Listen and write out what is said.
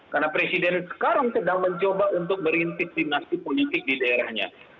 karena presiden sekarang sedang mencoba untuk merintis dinasti politik di daerahnya